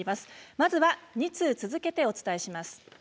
まずは２通、続けてお伝えします。